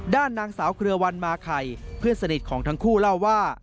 ด้านนางสาวเครือวันมาไข่เพื่อนสนิทของทั้งคู่เล่าว่า